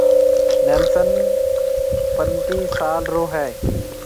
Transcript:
نيلسن پنٽِي سال رو ھيََََ